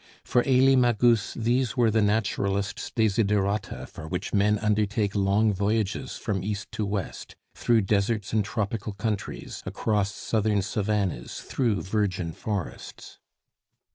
For Elie Magus these were the naturalist's desiderata for which men undertake long voyages from east to west, through deserts and tropical countries, across southern savannahs, through virgin forests.